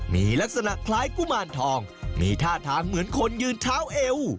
มีลักษณะคล้ายกุมารทองมีท่าทางเหมือนคนยืนเท้าเอว